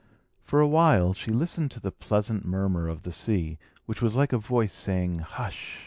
For a while, she listened to the pleasant murmur of the sea, which was like a voice saying "Hush!"